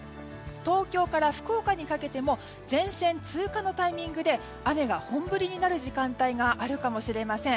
東京から福岡にかけても前線通過のタイミングで雨が本降りになる時間帯があるかもしれません。